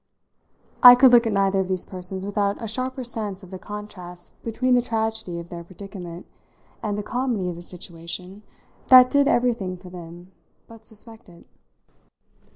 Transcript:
I could look at neither of these persons without a sharper sense of the contrast between the tragedy of their predicament and the comedy of the situation that did everything for them but suspect it.